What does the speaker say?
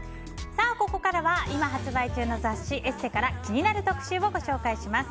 ここからは今発売中の雑誌「ＥＳＳＥ」から気になる特集をご紹介します。